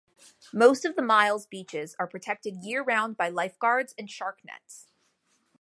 Most of the Mile's beaches are protected year-round by lifeguards and shark nets.